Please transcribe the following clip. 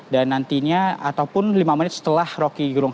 dan nantinya ataupun lima menit setelah roky gerung